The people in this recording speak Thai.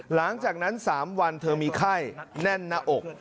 หลังจากนั้น๓วันเธอมีไข้แน่นหน้าอก